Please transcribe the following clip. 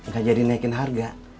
gak jadi naikin harga